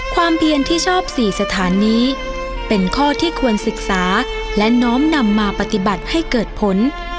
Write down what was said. เพียรที่ชอบ๔สถานีเป็นข้อที่ควรศึกษาและน้อมนำมาปฏิบัติให้เกิดผล